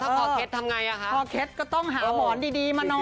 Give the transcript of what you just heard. แล้วถ้าขอเค็ดทำยังไงฮะขอเค็ดก็ต้องหาหมอนดีมานอน